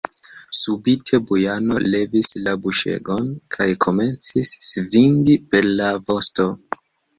Subite Bujano levis la buŝegon kaj komencis svingi per la vosto.